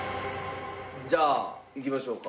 じゃあいきましょうか。